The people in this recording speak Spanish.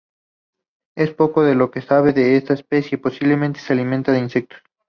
Es poco lo que se sabe de esta especie; posiblemente se alimenta de insectos.